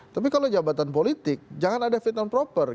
tapi kalau jabatan politik jangan ada fit and proper